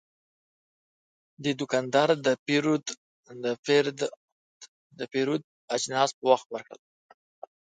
دا دوکاندار د پیرود اجناس په وخت ورکړل.